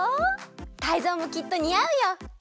タイゾウもきっとにあうよ。